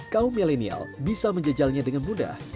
kaum milenial bisa menjajalnya dengan mudah